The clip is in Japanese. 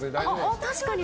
確かに。